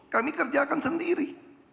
kami kerjakan sendiri